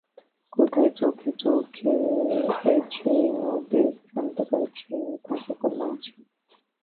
কোথায় চোখে চোখে সেই নীরব সম্ভাষণ, সেই ভাষাপূর্ণ হাসি!